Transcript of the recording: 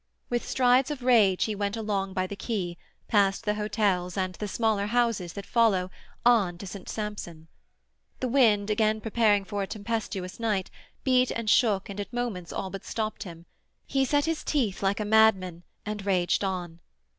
With strides of rage he went along by the quay, past the hotels and the smaller houses that follow, on to St. Sampson. The wind, again preparing for a tempestuous night, beat and shook and at moments all but stopped him; he set his teeth like a madman, and raged on.